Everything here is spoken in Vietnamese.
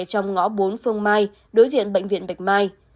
trong ngõ bốn phương mai đối diện bệnh viện bạch mai